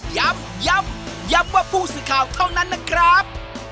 ย้ำย้ำย้ำว่าผู้สื่อข่าวเท่านั้นนะครับ